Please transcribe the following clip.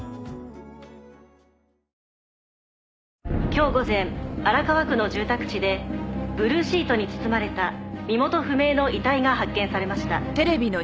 「今日午前荒川区の住宅地でブルーシートに包まれた身元不明の遺体が発見されました」